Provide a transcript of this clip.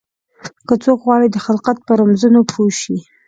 که څوک غواړي د خلقت په رمزونو پوه شي.